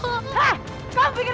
kamu pikir saya peduli gak